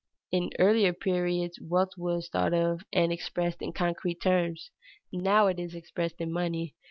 In earlier periods wealth was thought of and expressed in concrete terms; now it is expressed in money.